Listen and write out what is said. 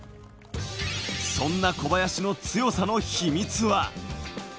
そんな小林の強さの秘密は。